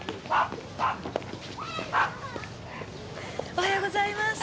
おはようございます。